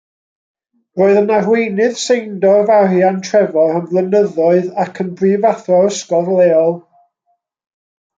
Roedd yn arweinydd Seindorf Arian Trefor am flynyddoedd ac yn brifathro'r ysgol leol.